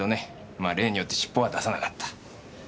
まあ例によってしっぽは出さなかった。